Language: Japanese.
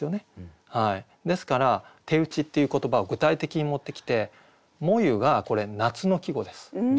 ですから「手打ち」っていう言葉を具体的に持ってきて「炎ゆ」がこれ夏の季語です。